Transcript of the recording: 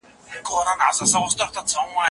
که ګونیا وي نو تعمیر نه کږیږي.